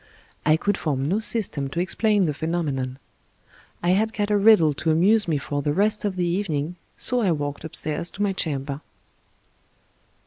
I could form no system to explain the phenomenon. I had got a riddle to amuse me for the rest of the even ing, so I walked upstairs to my chamber.